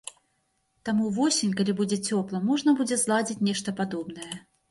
Таму ўвосень, калі будзе цёпла, можна будзе зладзіць нешта падобнае.